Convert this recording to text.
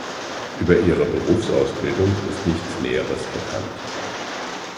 Über ihre Berufsausbildung ist nichts Näheres bekannt.